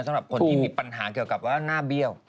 สำหรับคนที่มีปัญหาเกี่ยวกับว่าหน้าเบี้ยว